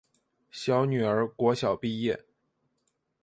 小女儿国小毕业